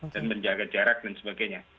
dan menjaga jarak dan sebagainya